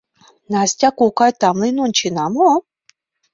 — Настя кокай, тамлен ончена мо?